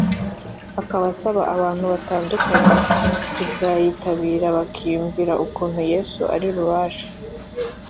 akaba asaba abantu batandukanye kuzayitabira bakiyumvira ukuntu Yesu ari Rubasha